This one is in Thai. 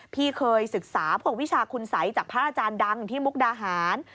พี่เคยศึกษาพวกวิชาคุณสัยจากพระอาจารย์ดังที่มุกดาหาร